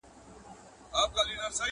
او په کلي کي مېلمه یې پر خپل کور کړي.!